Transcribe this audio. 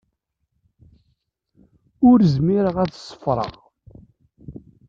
Ur zmireɣ ad ṣeffreɣ.